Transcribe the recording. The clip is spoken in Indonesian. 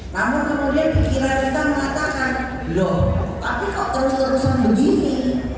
namun kemudian pikiran kita mengatakan loh tapi kok terus terusan begini